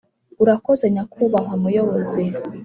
urakoze nyakubahwa muyobozi.